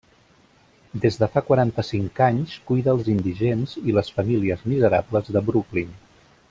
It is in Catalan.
Des de fa quaranta-cinc anys cuida els indigents i les famílies miserables de Brooklyn.